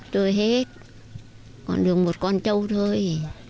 tôi hết còn được một con trâu thôi